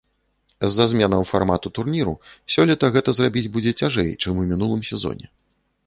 З-за зменаў фармату турніру сёлета гэта зрабіць будзе цяжэй, чым у мінулым сезоне.